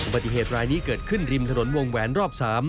ปฏิเหตุรายนี้เกิดขึ้นริมถนนวงแหวนรอบ๓